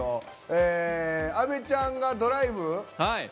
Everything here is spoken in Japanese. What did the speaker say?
阿部ちゃんがドライブ？